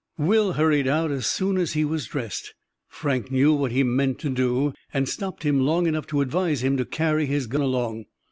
Will hurried out as soon as he was dressed. Frank knew what he meant to do, and stopped him long enough to advise him to carry his gun along.